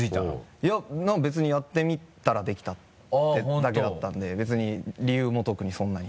いや別にやってみたらできたってだけだったんで別に理由も特にそんなに。